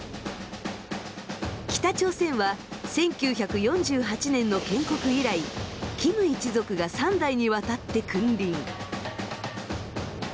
北朝鮮は１９４８年の建国以来キム一族が３代にわたって君臨。